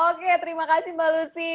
oke terima kasih mbak lucy